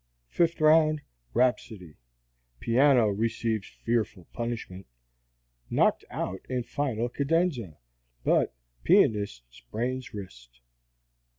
FIFTH ROUND: Rhapsodie. (Piano receives fearful punishment. Knocked out in final cadenza, but pianist sprains wrist.)